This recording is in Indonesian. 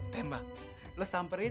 tembak lo samperin